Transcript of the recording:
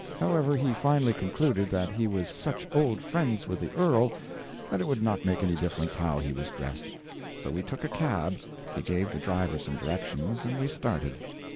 However, he finally concluded that he was such old friends with the Earl that it would not make any difference how he was dressed. So we took a cab, he gave the driver some directions, and we started.